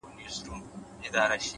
پرمختګ له زړورتیا ځواک اخلي’